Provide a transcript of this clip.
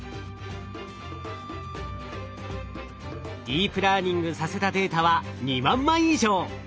ディープラーニングさせたデータは２万枚以上！